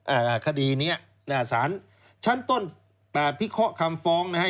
อ่าคดีเนี้ยอ่าสารชั้นต้นแปดพิเคราะห์คำฟ้องนะฮะ